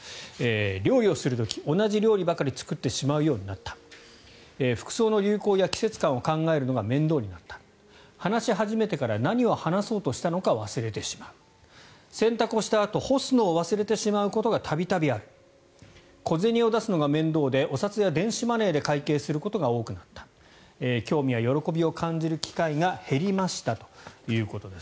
料理をする時、同じ料理ばかり作ってしまうようになった服装の流行や季節感を考えるのが面倒になった話し始めてから何を話そうとしたのか忘れてしまう洗濯をしたあと干すのを忘れてしまうことが度々ある小銭を出すのが面倒でお札や電子マネーで会計することが多くなった興味や喜びを感じる機会が減りましたということです。